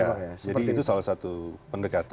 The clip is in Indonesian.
jadi itu salah satu pendekatan